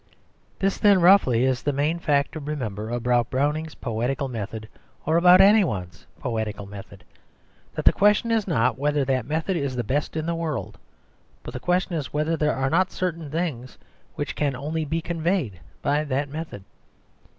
This, then, roughly is the main fact to remember about Browning's poetical method, or about any one's poetical method that the question is not whether that method is the best in the world, but the question whether there are not certain things which can only be conveyed by that method.